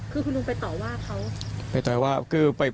คุณลุงไปต่อว่าเขา